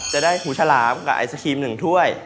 จะได้หูฉลามกับไอศครีม๑ถ้วย